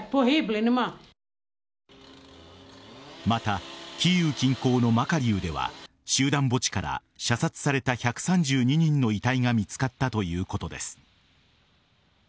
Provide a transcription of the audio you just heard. またキーウ近郊のマカリウでは集団墓地から射殺された１３２人の遺体が見つかったということです。